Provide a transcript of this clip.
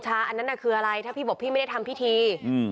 อันนั้นน่ะคืออะไรถ้าพี่บอกพี่ไม่ได้ทำพิธี